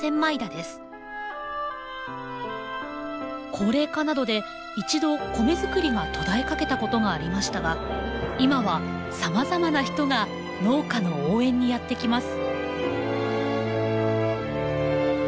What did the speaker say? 高齢化などで一度米作りが途絶えかけたことがありましたが今はさまざまな人が農家の応援にやって来ます。